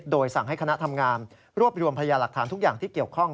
โดยสั่งให้คณะทำงานรวบรวมพยาหลักฐานทุกอย่างที่เกี่ยวข้อง